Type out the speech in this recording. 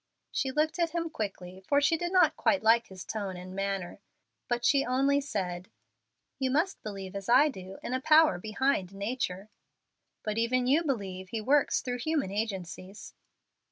She looked at him quickly, for she did not quite like his tone and manner. But she only said, "You must believe, as I do, in a power behind nature." "But even you believe He works through human agencies."